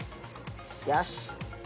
よし。